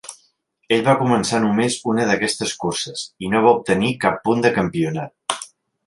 Ell va començar només una d'aquestes curses, i no va obtenir cap punt de campionat.